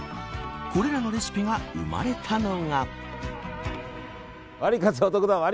これらのレシピが生まれたのが。